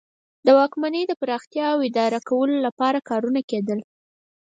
د واکمنۍ د پراختیا او اداره کولو لپاره کارونه کیدل.